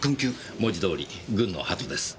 文字どおり軍の鳩です。